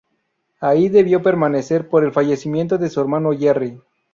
Ahí debió permanecer por el fallecimiento de su hermano Jerry.